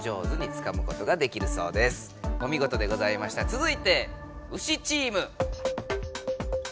つづいてウシチーム。